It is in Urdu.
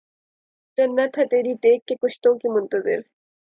جنت ہے تیری تیغ کے کشتوں کی منتظر